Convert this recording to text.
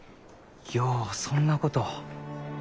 ようそんなこと。